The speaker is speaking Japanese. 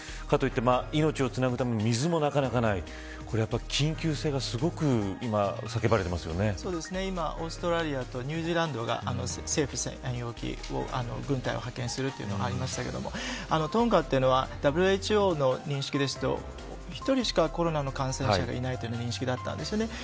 かといって、命をつなぐために水もなかなかない、というのは緊急性がすごく今今、オーストラリアとニュージーランドが政府専用機軍隊を派遣するとありましたがトンガというのはＷＨＯの認識ですと１人しかコロナの感染者がいないという認識だったんです。